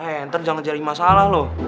eh ntar jangan jadi masalah lo